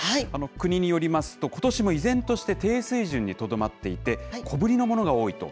国によりますと、ことしも依然として低水準にとどまっていて、小ぶりのものが多いと。